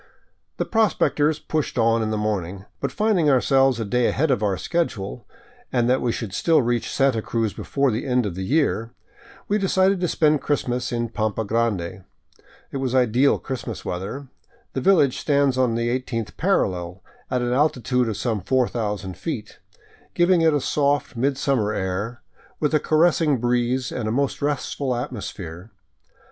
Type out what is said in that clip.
The prospectors pushed on in the morning, but finding ourselves a day ahead of our schedule, and that we could still reach Santa Cruz before the end of the year, we decided to spend Christmas in Pampa Grande. It was ideal Christmas weather. The village stands on the eighteenth parallel, at an altitude of some 4cxx:> feet, giving it a soft midsummer air, with a caressing breeze and a most restful atmos phere.